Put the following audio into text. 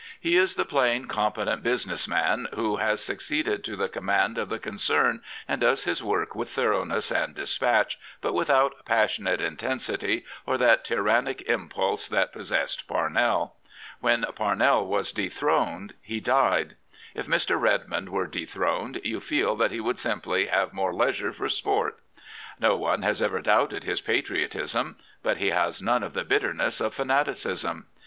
He is the plain, competent business man who has succeeded to the command of the concern and does his work with thoroughness and dispatch, but without passion ate intensity or that tyrannic impulse that possessed Parnell. When Parnell was dethroned he died. If Mr. Redmond were dethroned you feel that he would simply have more leisure for sport. No one has ever doubted his patriotism ; but he has none of the bitter ness of fanaticism.